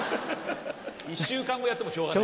一週間後やってもしょうがない。